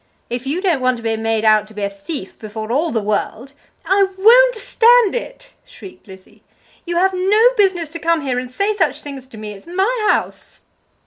If you don't want to be made out to be a thief before all the world " "I won't stand it!" shrieked Lizzie. "You have no business to come here and say such things to me. It's my house."